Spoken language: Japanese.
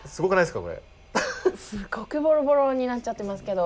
すごくボロボロになっちゃってますけど。